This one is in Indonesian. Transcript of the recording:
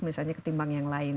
misalnya ketimbang yang lain